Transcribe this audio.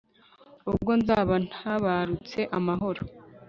ubwo nzaba ntabarutse amahoro